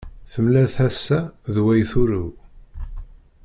Temlal tasa d way turew.